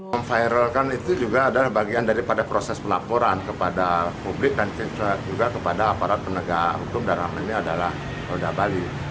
memviralkan itu juga adalah bagian daripada proses pelaporan kepada publik dan juga kepada aparat penegak hukum dalam hal ini adalah polda bali